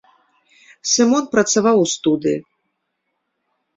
Сымон працаваў у студыі.